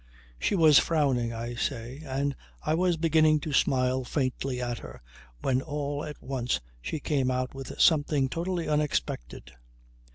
She was frowning, I say, and I was beginning to smile faintly at her when all at once she came out with something totally unexpected.